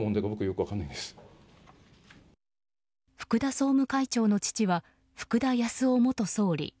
福田総務会長の父は福田康夫元総理。